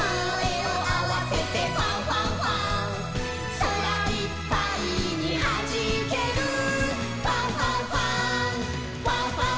「そらいっぱいにはじける」「ファンファンファン！